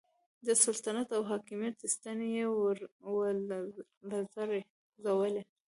د سلطنت او حاکمیت ستنې یې ولړزولې.